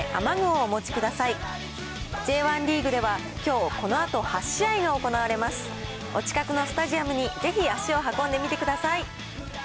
お近くのスタジアムにぜひ足を運んでみてください。